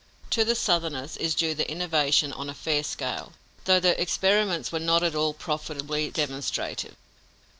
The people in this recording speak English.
To the Southerners is due the innovation on a fair scale, though the experiments were not at all profitably demonstrative.